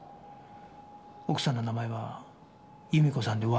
奥さんの名前は弓子さんで「Ｙ」。